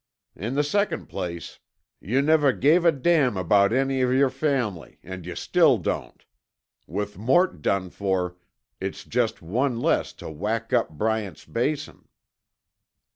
In the second place, yuh never gave a damn about any of yer family, an' yuh still don't. With Mort done fer, it's jest one less tuh whack up Bryant's Basin."